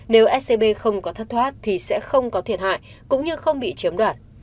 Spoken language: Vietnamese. nếu scb không có thất thoát thì sẽ không có thiệt hại cũng như không bị chiếm đoạt